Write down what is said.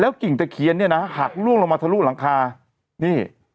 กิ่งตะเคียนเนี่ยนะหักล่วงลงมาทะลุหลังคานี่